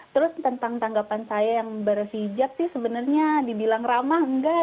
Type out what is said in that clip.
terus tentang tanggapan saya yang berhijab sih sebenarnya dibilang ramah enggak